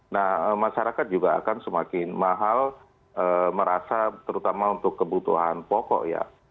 nah masyarakat juga akan semakin mahal merasa terutama untuk kebutuhan pokok ya